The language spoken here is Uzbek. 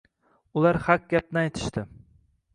Ular haq gapni aytishdi.